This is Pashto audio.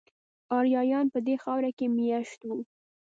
آریایان په دې خاوره کې میشت وو